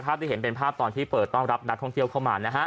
ที่เห็นเป็นภาพตอนที่เปิดต้อนรับนักท่องเที่ยวเข้ามานะฮะ